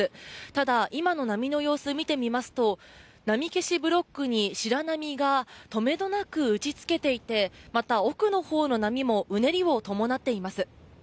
ただ、今の波の様子を見てみますと波消しブロックに白波が止めどなく打ちつけていてまた奥のほうの波もうねりを伴っています。